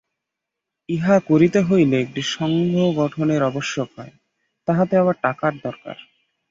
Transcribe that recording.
ইহা করিতে হইলে একটি সঙ্ঘ গঠনের আবশ্যক হয়, তাহাতে আবার টাকার দরকার।